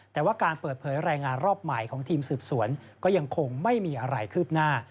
แต่ว่าการเปิดเผยรายงานรอบใหม่ของทีมสืบสวนก็ยังคงไม่มีอะไรคืบหน้า